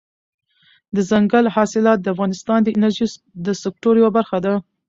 دځنګل حاصلات د افغانستان د انرژۍ د سکتور یوه برخه ده.